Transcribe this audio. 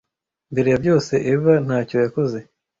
mbere ya byose eva ntacyo yakoze